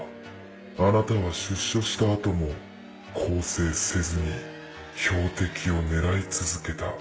あなたは出所した後も更生せずに標的を狙い続けた。